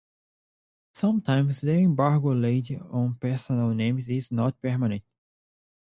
Sometimes the embargo laid on personal names is not permanent.